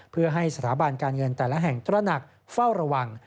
เพื่อให้สถาบันการเงินแต่ละแห่งตระหนักเฝ้าระวัง